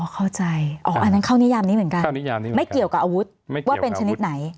เข้าใจอ๋ออันนั้นเข้านิยามนี้เหมือนกันไม่เกี่ยวกับอาวุธว่าเป็นชนิดไหน